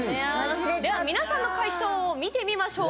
では皆さんの解答見てみましょう。